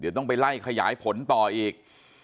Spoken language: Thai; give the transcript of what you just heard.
เดี๋ยวต้องไปไล่ขยายผลต่ออีก